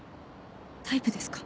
タイプですか？